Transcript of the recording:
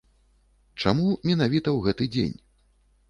Чаму менавіта ў гэты дзень?